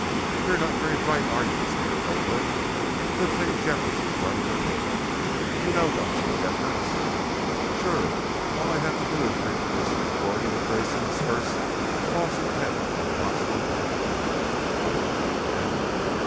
"You're not very bright, are you?" sneered Hoagland. "Good thing Jeffers is running the paper. You know, don't you, Jeffers?" "Sure. All I have to do is to reproduce a recording of Grayson's first false attempt on Proxima I." "Right. And then?"